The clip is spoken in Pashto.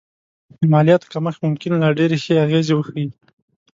د مالیاتو کمښت ممکن لا ډېرې ښې اغېزې وښيي